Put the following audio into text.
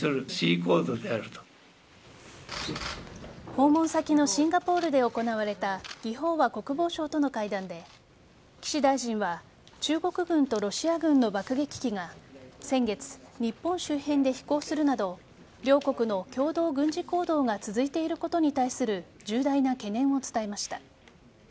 訪問先のシンガポールで行われた魏鳳和国防相との会談で岸大臣は中国軍とロシア軍の爆撃機が先月、日本周辺で飛行するなど両国の共同軍事行動が続いていることに対する重大な懸念を伝えました。